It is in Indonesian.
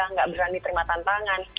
enggak berani terima tantangan